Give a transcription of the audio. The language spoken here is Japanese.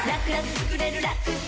つくれるラクサ